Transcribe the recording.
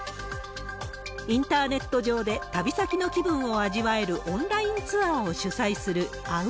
インターネット上で旅先の気分を味わえるオンラインツアーを主催するあう